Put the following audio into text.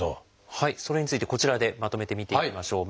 それについてこちらでまとめて見ていきましょう。